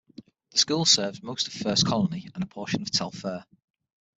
The school serves most of First Colony, and a portion of Telfair.